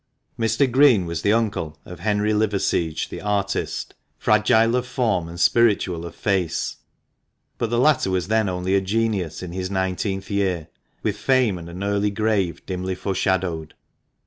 Mr. Green was the uncle of Henry Liverseege the artist, fragile of form and spiritual of face, but the latter was then only a genius in his nineteenth year — with fame and an early grave dimly foreshadowed.